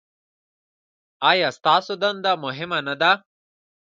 ایا ستاسو دنده مهمه نه ده؟